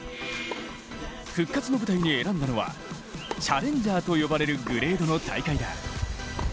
復活の舞台に選んだのはチャレンジャーと呼ばれるグレードの大会だ。